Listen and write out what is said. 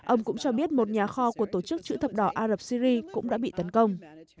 ông cũng cho biết một nhà kho của tổ chức chữ thập đỏ ari cũng đã bị tấn công